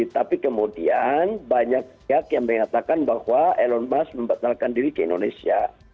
tapi kemudian banyak pihak yang mengatakan bahwa elon musk membatalkan diri ke indonesia